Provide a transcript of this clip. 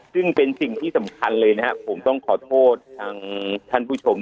ซึ่งเป็นสิ่งที่สำคัญเลยนะครับผมต้องขอโทษทางท่านผู้ชม